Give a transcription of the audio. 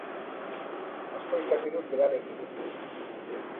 Asko ikasi dut berarekin.